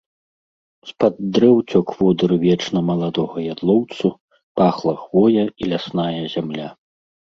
З-пад дрэў цёк водыр вечна маладога ядлоўцу, пахла хвоя і лясная зямля.